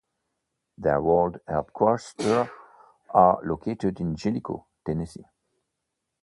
Their world headquarters are located in Jellico, Tennessee.